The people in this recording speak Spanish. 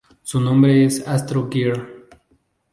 Su nombre es Astro Girl.